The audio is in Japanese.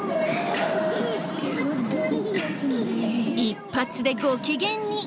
一発でご機嫌に！